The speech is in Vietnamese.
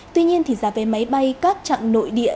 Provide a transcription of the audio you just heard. tuy nhiên thì ra về máy bay các trạng nội địa